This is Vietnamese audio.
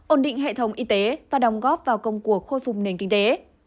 ổn định hệ thống y tế và đồng góp vào công cuộc khôi phục nền kinh tế